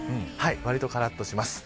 わりとからっとします。